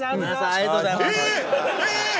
ありがとうございます。